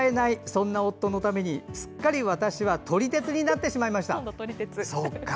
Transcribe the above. そんな夫のためにすっかり私は撮り鉄になってしまいました。